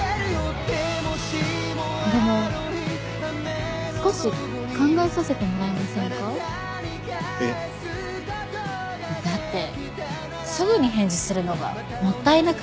でも少し考えさせてもらえませんか？えっ？だってすぐに返事するのがもったいなくって。